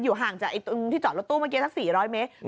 ห่างจากตรงที่จอดรถตู้เมื่อกี้สัก๔๐๐เมตร